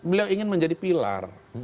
beliau ingin menjadi pilar